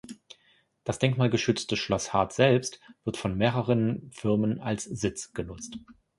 Das denkmalgeschützte Schloss Hardt selbst wird von mehreren Firmen als Sitz genutzt.